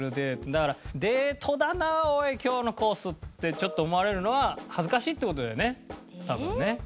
だから「デートだなおい今日のコース」ってちょっと思われるのは恥ずかしいって事だよね多分ね。